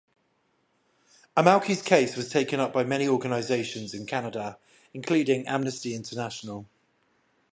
Almalki's case was taken up by many organizations in Canada, including Amnesty International.